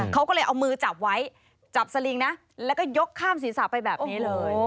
เขาก็เลยเอามือจับไว้จับสลิงนะแล้วก็ยกข้ามศีรษะไปแบบนี้เลย